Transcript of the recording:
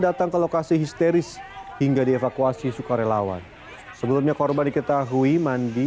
datang ke lokasi histeris hingga dievakuasi sukarelawan sebelumnya korban diketahui mandi